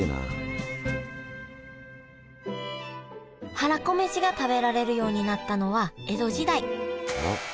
はらこめしが食べられるようになったのは江戸時代。